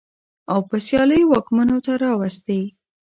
او په سيالۍ واکمنو ته راوستې.